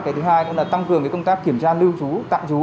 cái thứ hai cũng là tăng cường công tác kiểm tra lưu trú tạm trú